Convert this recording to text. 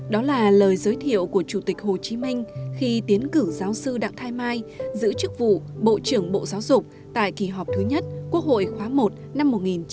đó là lời giới thiệu của chủ tịch hồ chí minh khi tiến cử giáo sư đặng thái mai giữ chức vụ bộ trưởng bộ giáo dục tại kỳ họp thứ nhất quốc hội khóa một năm một nghìn chín trăm bảy mươi năm